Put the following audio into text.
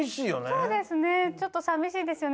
そうですねちょっとさみしいですよね。